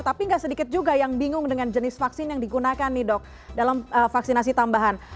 tapi nggak sedikit juga yang bingung dengan jenis vaksin yang digunakan nih dok dalam vaksinasi tambahan